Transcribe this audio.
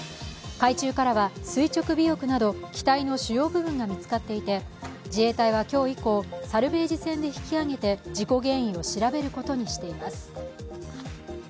海中からは垂直尾翼など機体の主要部分が見つかっていて、自衛隊は今日以降、サルベージ船で引き揚げて事故原因を調べることにしています。